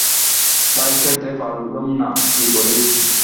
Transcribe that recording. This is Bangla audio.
ভাই, সইতে পারলুম না, কী করি!